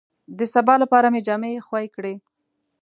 د سبا لپاره مې جامې خوې کړې.